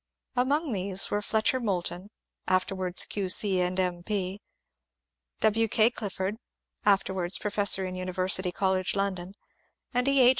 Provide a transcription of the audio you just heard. Among these were Fletcher Moulton (afterwards Q. C. and M. P.), W. K. Clifford (afterwards professor in University College, London), and E. H.